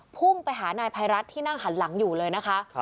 พุ่งไปหานายภัยรัฐที่นั่งหันหลังอยู่เลยนะคะ